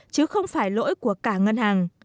chứ không phải lỗi của cả ngân hàng